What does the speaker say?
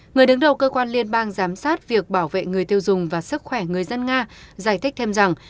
người đứng đầu cơ quan liên bang giám sát việc bảo vệ người tiêu dùng và sức khỏe người dân nga giải thích thêm rằng